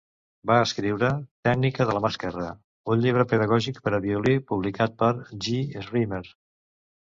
Va escriure "Tècnica de la mà esquerra", un llibre pedagògic per a violí publicat per G. Schirmer.